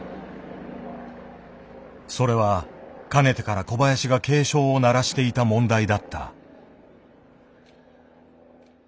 それはかねてから小林が警鐘を鳴らしていた問題だった。